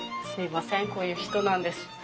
すいませんこういう人なんです。